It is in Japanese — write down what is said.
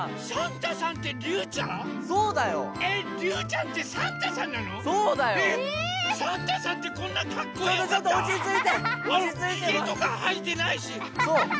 ヒゲとかはえてないし。